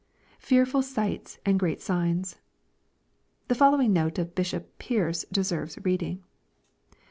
[Fearful sights and great signs,] The following note of Bishop Pearce deserves reading.